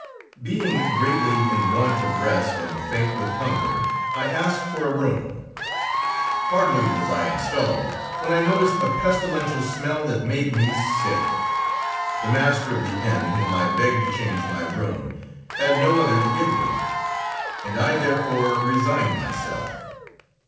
Being greatly in want of rest, and faint with hunger, I asked for a room. Hardly was I installed when I noticed a pestilential smell that made me sick. The master of the inn, whom I begged to change my room, had no other to give me, and I therefore resigned myself.